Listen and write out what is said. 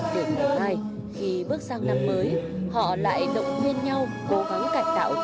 để ngày mai khi bước sang năm mới họ lại động viên nhau cố gắng cải tạo thật tốt